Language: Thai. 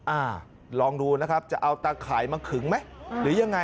อ่าลองดูนะครับจะเอาตาข่ายมาขึงไหมหรือยังไง